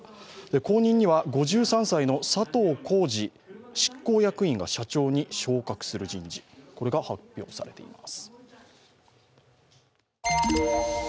後任には５３歳の佐藤恒治執行役員が社長に昇格する人事、これが発表されています。